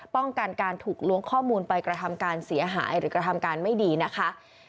ป้องกันการถูกล้วงข้อมูลไปกระทำการเสียหายหรือกระทำการไม่ดีนะคะ